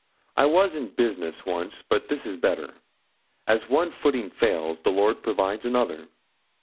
I was in business once, but this is better. As one footing fails, the Lord provides another.